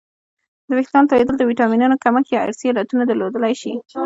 د وېښتانو تویدل د ویټامینونو کمښت یا ارثي علتونه درلودلی شي